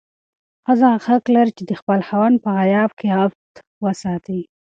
ښځه حق لري چې د خپل خاوند په غياب کې عفت وساتي.